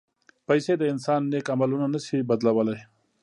پېسې د انسان نیک عملونه نه شي بدلولی.